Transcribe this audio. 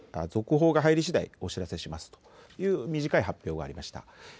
続報が入りしだいお知らせしますという短い発表がありました。